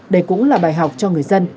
đây cũng là bài học cho người dân